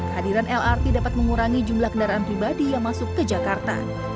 kehadiran lrt dapat mengurangi jumlah kendaraan pribadi yang masuk ke jakarta